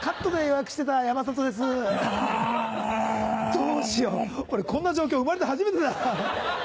どうしよう俺こんな状況生まれて初めてだハハっ。